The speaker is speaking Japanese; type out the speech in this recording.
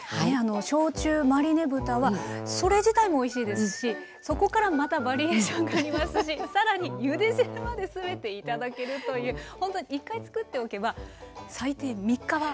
焼酎マリネ豚はそれ自体もおいしいですしそこからまたバリエーションがありますし更にゆで汁まで全て頂けるというほんとに１回作っておけば最低３日は。